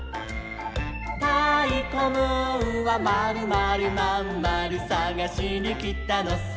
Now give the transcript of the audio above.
「たいこムーンはまるまるまんまるさがしにきたのさ」